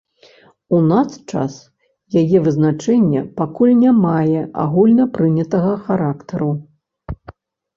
У наш час яе вызначэнне пакуль не мае агульна прынятага характару.